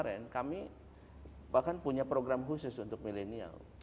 kemarin kami bahkan punya program khusus untuk milenial